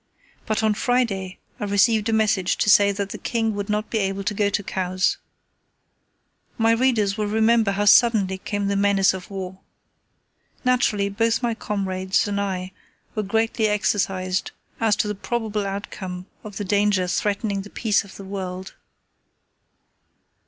But on Friday I received a message to say that the King would not be able to go to Cowes. My readers will remember how suddenly came the menace of war. Naturally, both my comrades and I were greatly exercised as to the probable outcome of the danger threatening the peace of the world.